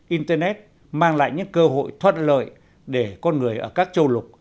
internet mang lại những cơ hội thuận lợi để con người ở các châu lục